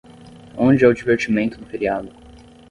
Onde é o divertimento do feriado?